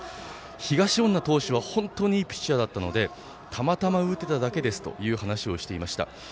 東恩納投手は本当にいいピッチャーだったのでたまたま打てただけですと話していました。